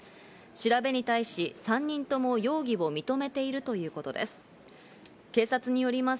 調べに対し３人とも容疑を認めているということです。